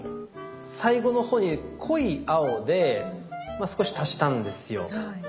最後の方に濃い青で少し足したんですよ。